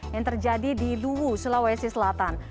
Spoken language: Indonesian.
yang terjadi di luwu sulawesi selatan